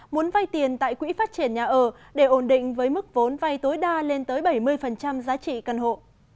muốn vay tiền tại quỹ phát triển nhà ở để ổn định với mức vốn vay tối đa lên tới bảy mươi giá trị căn hộ